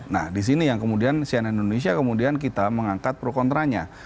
nah disini yang kemudian sian indonesia kemudian kita mengangkat pro kontranya